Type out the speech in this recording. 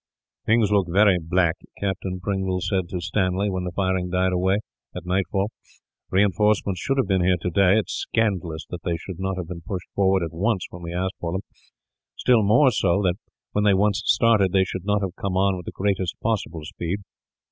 "Things look very black," Captain Pringle said to Stanley, when the firing died away, at nightfall. "Reinforcements should have been here, today. It is scandalous that they should not have been pushed forward, at once, when we asked for them. Still more so that, when they once started, they should not have come on with the greatest possible speed.